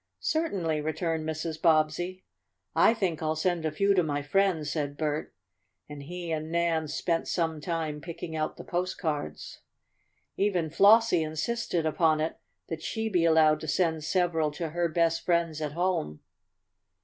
"Certainly," returned Mrs. Bobbsey. "I think I'll send a few to my friends," said Bert, and he and Nan spent some time picking out the postcards. Even Flossie insisted upon it that she be allowed to send several to her best friends at home.